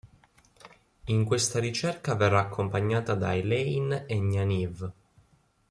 In questa ricerca verrà accompagnata da Elayne e Nynaeve.